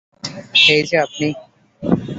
এই যে, আপনি!